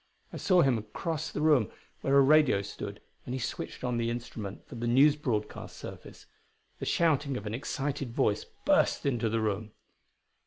I saw him cross the room where a radio stood, and he switched on the instrument for the news broadcast service. The shouting of an excited voice burst into the room.